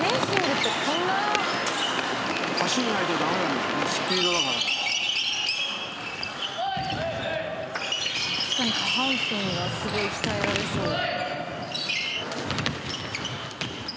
確かに下半身がすごい鍛えられそう。